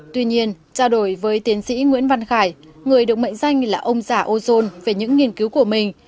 tuy nhiên trao đổi với tiến sĩ nguyễn văn khải người được mệnh danh là ông giả ozone về những nghiên cứu của mình